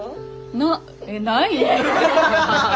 なえないよ。